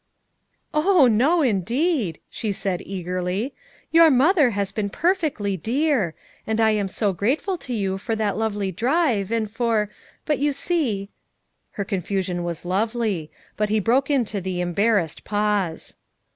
"Oh, no, indeed!" she said eagerly. "Your mother has been perfectly dear; and I am so grateful to you for that lovely drive, and for — hut you see —" Her confusion was lovely. But he broke into the embarrassed pause.